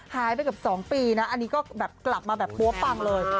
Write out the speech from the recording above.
หายไปเกือบ๒ปีนะอันนี้ก็แบบกลับมาแบบปั๊วปังเลย